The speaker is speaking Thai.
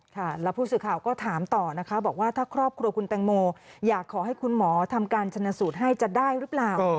ค่ะแล้วผู้สื่อข่าวก็ถามต่อนะคะบอกว่าถ้าครอบครัวคุณแตงโมอยากขอให้คุณหมอทำการชนสูตรให้จะได้หรือเปล่า